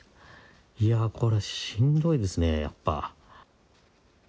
いやーこれ、しんどいですね、やっぱ。